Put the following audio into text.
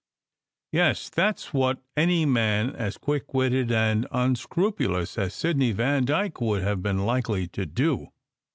Yes, that was what any man as quick witted and unscrupulous as Sidney Vandyke would have been likely to do.